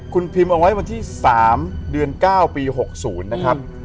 คุณพิมพ์เอาไว้วันที่๓เดือน๙ปี๖๐นะครับ